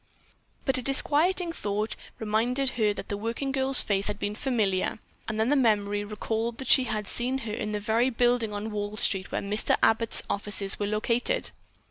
But a disquieting thought reminded her that the working girl's face had been familiar, and then memory recalled that she had seen her in the very building on Wall Street where Mr. Abbott's offices were located.